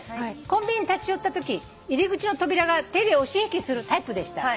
「コンビニに立ち寄ったとき入り口の扉が手で押し引きするタイプでした。